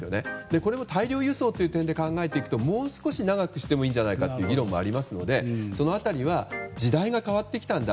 これを大量輸送の点で考えていくともう少し長くしてもいいんじゃないかという議論もありますので、その辺りは時代が変わってきたんだ